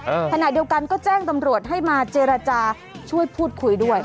ขณะเดียวกันก็แจ้งตำรวจให้มาเจรจาช่วยพูดคุยด้วย